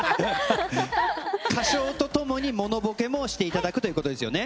歌唱とともに物ぼけもしていただくということですよね。